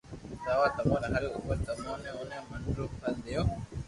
سآوا تموري ھاري عمر تمو اوني من رو فل ديو